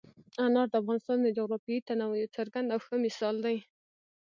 انار د افغانستان د جغرافیوي تنوع یو څرګند او ښه مثال دی.